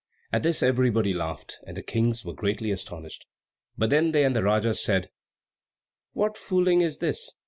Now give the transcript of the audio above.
At this everybody laughed, and the Kings were greatly astonished. But then they and the Rajas said, "What fooling is this?"